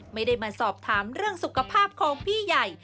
ไม่ได้มาสอบถามเรื่องสุขภาพของพี่ใหญ่